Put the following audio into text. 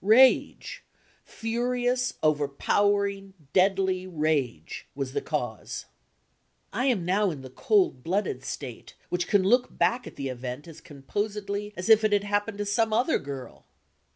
Rage furious, overpowering, deadly rage was the cause. I am now in the cold blooded state, which can look back at the event as composedly as if it had happened to some other girl.